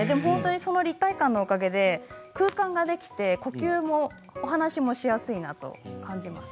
その立体感のおかげで空間ができて呼吸もお話しもしやすいなと感じます。